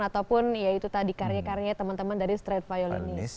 ataupun ya itu tadi karya karya teman teman dari straight violinis